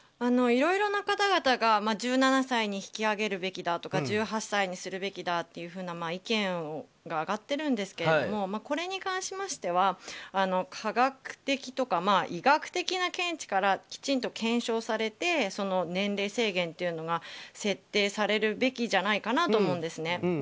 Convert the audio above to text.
いろいろな方々が１７歳に引き上げるべきだとか１８歳にするべきだというような意見が上がっているんですけどもこれに関しましては科学的とか、医学的な見地からきちんと検証されて年齢制限というのが設定されるべきじゃないかなと思うんですね。